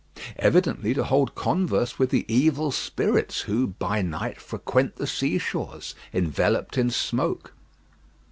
Evidently to hold converse with the evil spirits who, by night, frequent the seashores, enveloped in smoke.